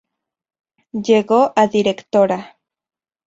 Llegó a Directora.